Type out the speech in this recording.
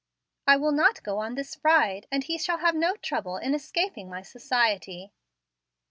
"I will not go on this ride, and he shall have no trouble in escaping my society."